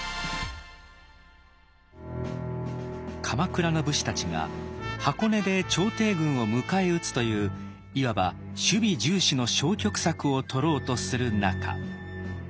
鎌倉の武士たちが箱根で朝廷軍を迎え撃つといういわば守備重視の消極策をとろうとする中。